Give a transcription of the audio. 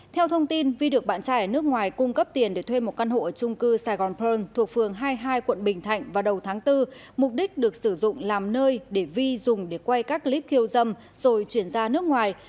theo thông tin vi được bạn trai ở nước ngoài cung cấp tiền để thuê một căn hộ ở trung cư sài gòn pearl thuộc phường hai mươi hai quận bình thạnh vào đầu tháng bốn mục đích được sử dụng làm nơi để vi dùng để quay các clip hiêu dâm rồi chuyển ra nước ngoài